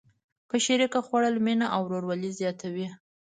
په شریکه خوړل مینه او ورورولي زیاتوي.